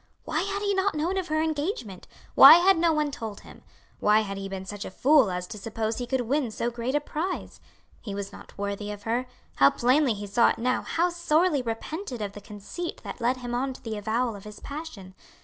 Why had he not known of her engagement? Why had no one told him? Why had he been such a fool as to suppose he could win so great a prize? He was not worthy of her. How plainly he saw it now, how sorely repented of the conceit that had led him on to the avowal of his passion.